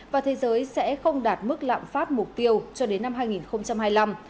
và thế giới sẽ không đạt mức lạm phát mục tiêu cho đến năm hai nghìn hai mươi năm